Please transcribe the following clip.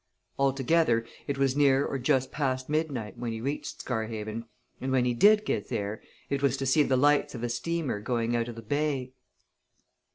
Altogether, it was near or just past midnight when he reached Scarhaven, and when he did get there, it was to see the lights of a steamer going out of the bay."